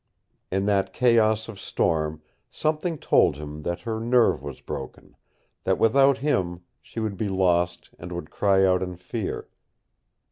In that chaos of storm something told him that her nerve was broken, that without him she would be lost and would cry out in fear.